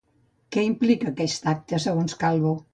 Què implica aquest acte, segons Calvo?